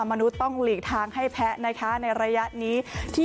มนุษย์ต้องหลีกทางให้แพ้นะคะในระยะนี้ที่